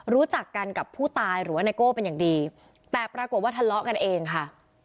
รู้จักกันกับผู้ตายหรือว่าไนโก้เป็นอย่างดีแต่ปรากฏว่าทะเลาะกันเองค่ะ